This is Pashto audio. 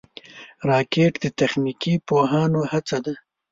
راکټ د تخنیکي پوهانو هڅه ده